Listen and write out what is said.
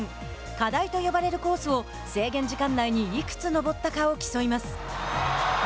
課題と呼ばれるコースを制限時間内にいくつ登ったかを競います。